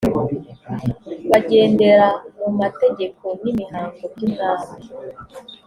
bagendera mu mategeko n’imihango by’umwami